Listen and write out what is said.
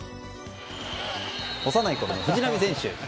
幼いころの藤波選手。